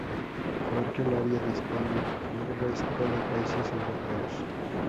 Abarca el área de España,y resto de países europeos.